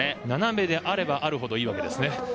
斜めであればあるほどいいわけですね。